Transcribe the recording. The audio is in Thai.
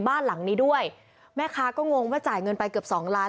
บ้านหลังนี้ด้วยแม่ค้าก็งงว่าจ่ายเงินไปเกือบสองล้าน